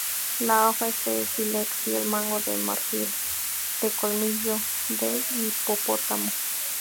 La hoja es de Sílex y el mango de marfil, de colmillo de hipopótamo.